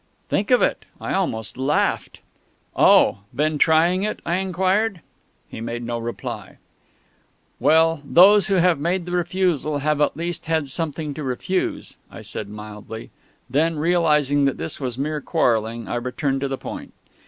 Think of it!... I almost laughed. "Oh!... Been trying it?" I inquired. He made no reply. "Well, those who have made the refusal have at least had something to refuse," I said mildly. Then, realising that this was mere quarrelling, I returned to the point.